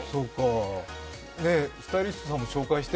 スタイリストさんも紹介して、